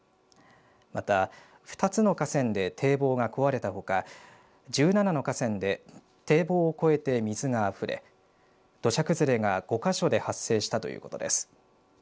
また２つの河川で堤防が壊れたほか１７の河川で堤防を越えて水があふれ土砂崩れが５か所で発生したということです。